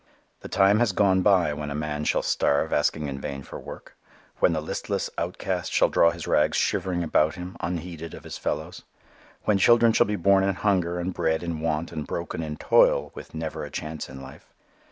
The time has gone by when a man shall starve asking in vain for work; when the listless outcast shall draw his rags shivering about him unheeded of his fellows; when children shall be born in hunger and bred in want and broken in toil with never a chance in life.